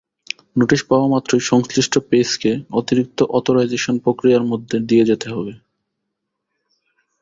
Notice পাওয়া মাত্রই সংশ্লিষ্ট পেজকে অতিরিক্ত অথোরাইজেশন প্রক্রিয়ার মধ্য দিয়ে যেতে হবে।